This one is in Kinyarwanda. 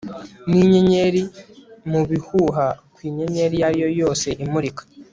Ninyenyeri mubihuha ko inyenyeri iyo ari yo yose imurika